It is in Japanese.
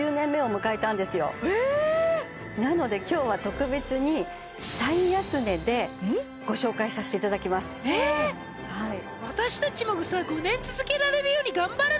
なので今日は特別に最安値でご紹介させていただきますそうね